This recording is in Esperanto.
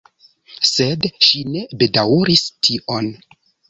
Sed ŝi ne bedaŭris tion.